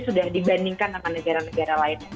sudah dibandingkan dengan negara negara lain